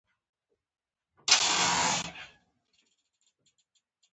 آیا بندیان به خلاص شي؟